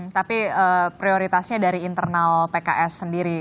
tapi prioritasnya dari internal pks sendiri